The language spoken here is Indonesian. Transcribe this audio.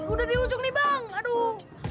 udah di ujung nih bang